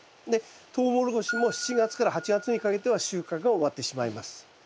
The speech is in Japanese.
でトウモロコシも７月から８月にかけては収穫が終わってしまいます。